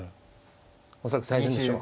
恐らく最善手でしょう。